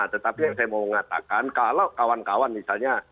tetapi yang saya mau mengatakan kalau kawan kawan misalnya